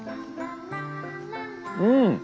うん！